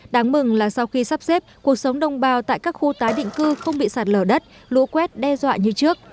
đáng mừng là sau khi sắp xếp cuộc sống đồng bào tại các khu tái định cư không bị sạt lở đất lũ quét đe dọa như trước